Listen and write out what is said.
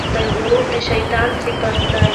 غرور د شیطان صفت دی.